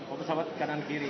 oh pesawat kanan kiri